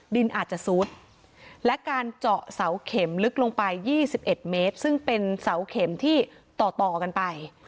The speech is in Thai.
ดินอาจจะซุดและการเจาะเสาเข็มลึกลงไป๒๑เมตรซึ่งเป็นเสาเข็มที่ต่อต่อกันไป